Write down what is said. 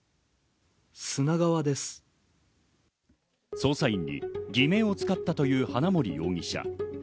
捜査員に偽名を使ったという花森容疑者。